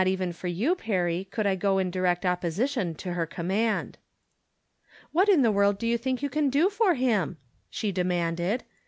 even for you, Perry, could I go in direct oppo sition to her command. " "What in tlie world do you think you can do for him ?" she demanded.